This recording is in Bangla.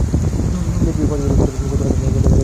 দেখবি পাঁচ বছরে কত টাকা এনে ফেলতে পারবি।